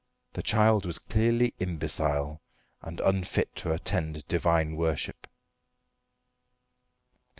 The child was clearly imbecile, and unfit to attend divine worship.